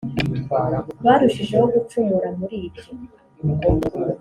Barushijeho gucumura muri ibyo